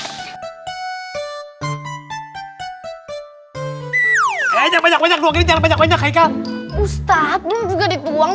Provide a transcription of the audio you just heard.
banyak banyak banyak banyak banyak banyak banyak banyak banyakological beberapa kaya kaya vee